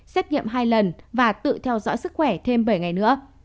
xét nghiệm hai lần và tự theo dõi sức khỏe thêm bảy ngày nữa